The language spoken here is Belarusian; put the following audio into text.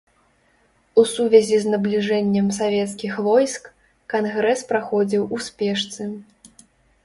У сувязі з набліжэннем савецкіх войск кангрэс праходзіў у спешцы.